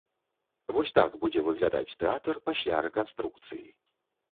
Вось так будзе выглядаць тэатр пасля рэканструкцыі.